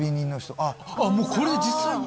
あっもうこれで実際に。